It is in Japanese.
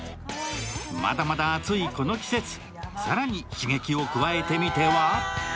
まだまだ暑いこの季節、更に刺激を加えてみては？